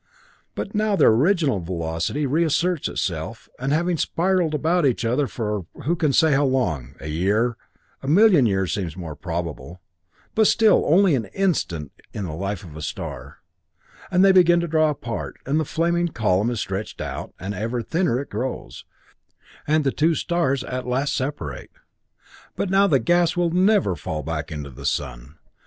"But now their original velocity reasserts itself, and having spiraled about each other for who can say how long a year a million years seems more probable but still only an instant in the life of a star they begin to draw apart, and the flaming column is stretched out, and ever thinner it grows, and the two stars at last separate. But now the gas will never fall back into the sun.